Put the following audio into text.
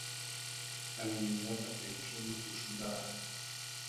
Qanyan wata kayćhuumi tuhulqaa.